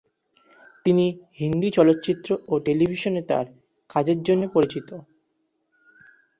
তিনি হিন্দি চলচ্চিত্র ও টেলিভিশনে তার কাজের জন্য পরিচিত।